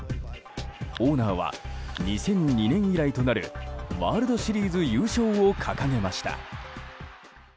オーナーは２００２年以来となるワールドシリーズ優勝を掲げました。